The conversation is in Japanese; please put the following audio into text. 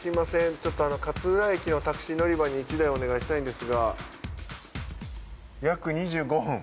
ちょっとあの勝浦駅のタクシー乗り場に１台お願いしたいんですが。